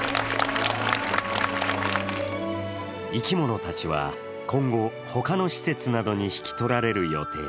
生き物たちは今後、他の施設などに引き取られる予定。